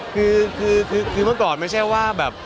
คือเมื่อก่อนไม่ใช่ว่าแบบ